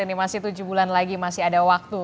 ini masih tujuh bulan lagi masih ada waktu